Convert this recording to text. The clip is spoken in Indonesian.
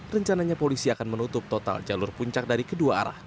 rencananya polisi akan menutup total jalur puncak dari kedua arah